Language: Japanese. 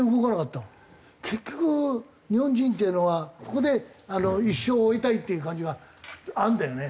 結局日本人っていうのはここで一生を終えたいっていう感じがあるんだよね。